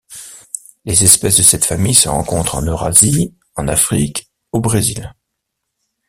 Les espèces de cette famille se rencontrent en Eurasie, en Afrique au Brésil.